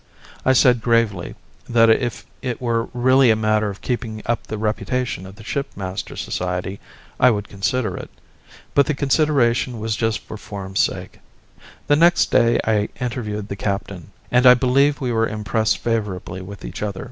I said gravely that if it were really a matter of keeping up the reputation of the Shipmasters' Society, I would consider it. But the consideration was just for form's sake. The next day I interviewed the Captain, and I believe we were impressed favourably with each other.